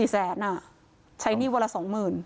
๔แสนอ่ะใช้หนี้วันละสองหมื่น